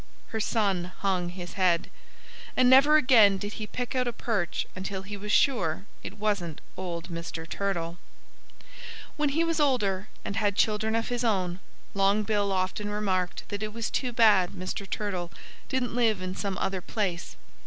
Her son hung his head. And never again did he pick out a perch until he was sure it wasn't old Mr. Turtle. When he was older, and had children of his own, Long Bill often remarked that it was too bad Mr. Turtle didn't live in some other place.